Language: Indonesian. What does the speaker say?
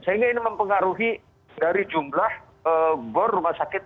sehingga ini mempengaruhi dari jumlah bor rumah sakit